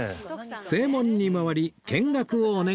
正門に回り見学をお願いする事に